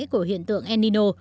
của hiện tượng enino